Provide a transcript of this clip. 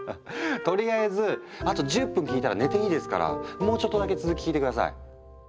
とりあえずあと１０分聞いたら寝ていいですからもうちょっとだけ続き聞いて下さい。